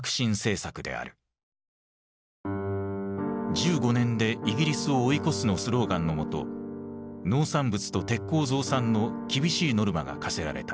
「１５年でイギリスを追い越す」のスローガンのもと農産物と鉄鋼増産の厳しいノルマが課せられた。